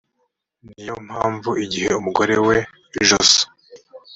ni yo mpamvu igihe umugore we jose